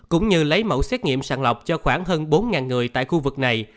cũng như lấy mẫu xét nghiệm sàng lọc cho khoảng hơn bốn người tại khu vực này